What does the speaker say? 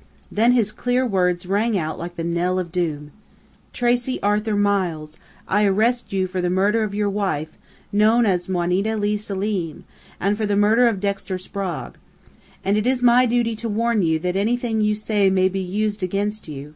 _" Then his clear words rang out like the knell of doom: "Tracey Arthur Miles, I arrest you for the murder of your wife, known as Juanita Leigh Selim, and for the murder of Dexter Sprague. And it is my duty to warn you that anything you say may be used against you."